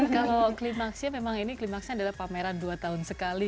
kalau klimaksia memang ini klimaksnya adalah pameran dua tahun sekali